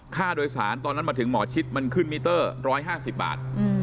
ค่าโดยสารตอนนั้นมาถึงหมอชิดมันขึ้นมิเตอร์๑๕๐บาท